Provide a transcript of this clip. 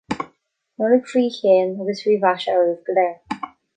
Nollaig faoi shéan agus faoi mhaise oraibh go léir